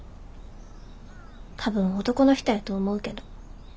多分男の人やと思うけど。